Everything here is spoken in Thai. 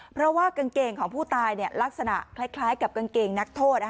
เพราะว่ากางเกงของผู้ตายลักษณะคล้ายกับกางเกงนักโทษ